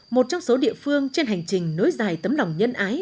một trong số địa phương trên hành trình nối dài tấm lòng nhân ái